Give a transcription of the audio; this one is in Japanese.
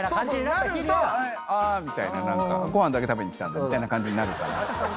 「あご飯だけ食べに来たんだ」みたいな感じになるから。